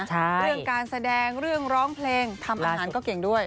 เรื่องการแสดงเรื่องร้องเพลงทำอาหารก็เก่งด้วย